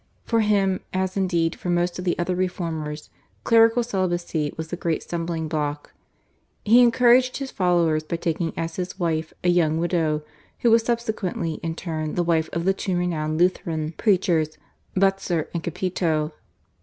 For him, as indeed for most of the other reformers, clerical celibacy was the great stumbling block. He encouraged his followers by taking as his wife a young widow, who was subsequently in turn the wife of the two renowned Lutheran preachers, Butzer and Capito.